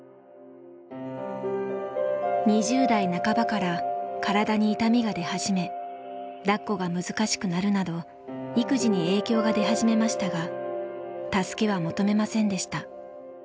２０代半ばから体に痛みが出始めだっこが難しくなるなど育児に影響が出始めましたが助けは求めませんでした。